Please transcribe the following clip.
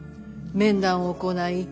面談を行い